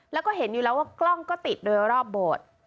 แล้วก็เห็นอยู่แล้วว่ากล้องก็ติดโดยรอบโบสถ์